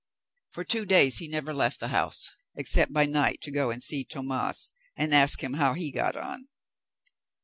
For two days he never left the house except by night to go and see Tomas, and ask him how he got on.